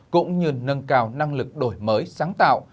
cũng như nâng cao năng lực đổi mới sáng tạo